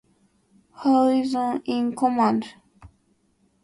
Howison in command.